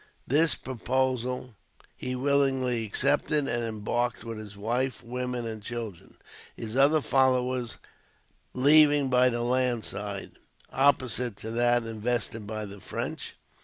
This proposal he willingly accepted, and embarked with his wife, women, and children, his other followers leaving by the land side, opposite to that invested by the French.